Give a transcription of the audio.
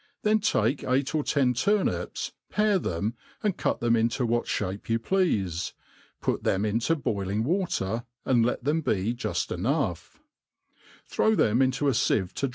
then takceighi'or ten turnips, pare them, and cue them into what (hape you pleafe, put thcrp into boiling water, and let them, be juft enough ; throw them into a fieve to.